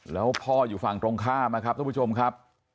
แล้วพ่ออยู่ฝั่งตรงข้ามนะครับทุกผู้ชมครับ